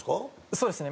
そうですね。